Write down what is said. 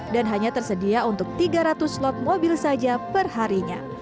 dan hanya tersedia untuk tiga ratus slot mobil saja perharinya